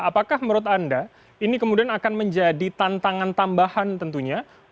apakah menurut anda ini kemudian akan menjadi tantangan tambahan tentunya untuk kemudian kita memutuskan